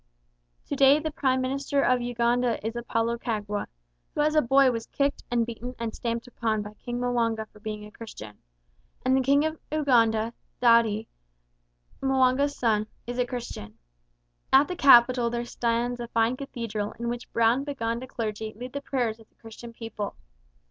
To day the Prime Minister of Uganda is Apolo Kagwa, who as a boy was kicked and beaten and stamped upon by King M'wanga for being a Christian; and the King of Uganda, Daudi, M'wanga's son, is a Christian. At the capital there stands a fine cathedral in which brown Baganda clergy lead the prayers of the Christian people.